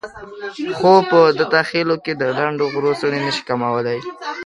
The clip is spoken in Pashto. خو په دته خېلو کې د لنډغرو څڼې نشي کمولای.